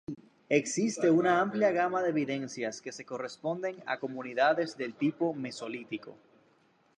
Existe una amplia gama de evidencias que se corresponden a comunidades del tipo Mesolítico.